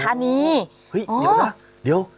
เฮ้ยเดี๋ยวนะเดี๋ยว